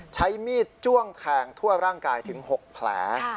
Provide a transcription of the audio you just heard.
ใช้มีดจ้วงแทงทั่วร่างกายถึง๖แผล